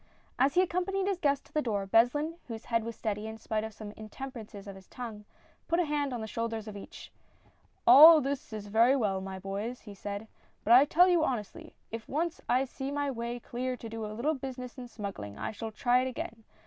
As he accompanied his guests to the door, Beslin, A FISH SUPPER. 35 whose head was steady in spite of some intemperances of his tongue, put a hand on the shoulders of each. " All this is very well, my boys," he said, " but I tell you honestly if once I see my way clear to do a little business in smuggling, I shall try it again